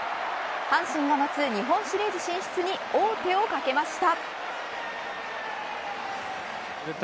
阪神が待つ日本シリーズ進出に王手をかけました。